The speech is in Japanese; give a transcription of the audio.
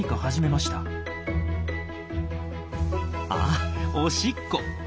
あっおしっこ！